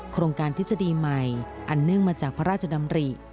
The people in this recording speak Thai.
โครงการทฤษฎีใหม่อันเนื่องมาจากพระราชดำริ